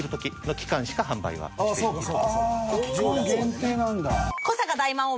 期間限定なんだ。